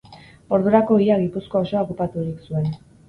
Ordurako ia Gipuzkoa osoa okupaturik zuen.